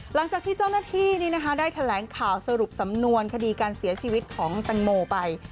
หลังจากที่เจ้าหน้าที่ได้แถลงข่าวสรุปสำนวนคดีการเสียชีวิตของตังโมไป